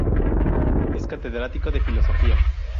Es catedrático de Filosofía.